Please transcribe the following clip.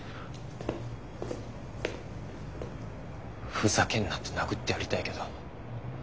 ふざけんなって殴ってやりたいけど。